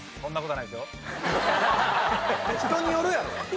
人によるやろ！